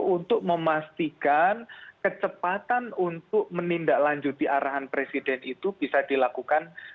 untuk memastikan kecepatan untuk menindaklanjuti arahan presiden itu bisa dilakukan